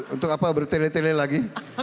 untuk apa bertele tele lagi